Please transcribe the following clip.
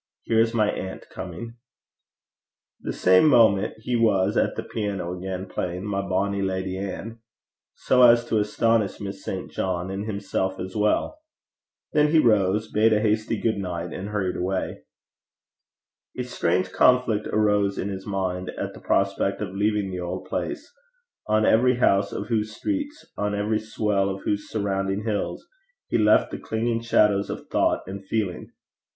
'Here is my aunt coming.' The same moment he was at the piano again, playing My Bonny Lady Ann, so as to astonish Miss St. John, and himself as well. Then he rose, bade her a hasty good night, and hurried away. A strange conflict arose in his mind at the prospect of leaving the old place, on every house of whose streets, on every swell of whose surrounding hills he left the clinging shadows of thought and feeling.